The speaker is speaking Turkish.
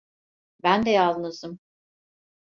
Ben de yalnızım.